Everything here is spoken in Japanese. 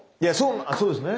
そうですね。